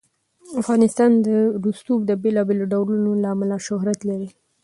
افغانستان د رسوب د بېلابېلو ډولونو له امله شهرت لري.